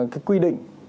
cái quy định